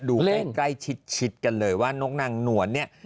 ดูใกล้ชิดกันเลยว่านกนางหนวลเนี่ย